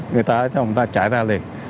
người ta chạy ra liền